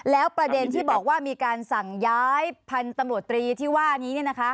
แล้วประเด็นที่บอกว่ามีการสั่งย้ายพันธุ์ตำรวจตรีที่ว่านี้